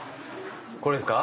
これですか？